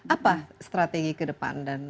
apa strategi ke depan dan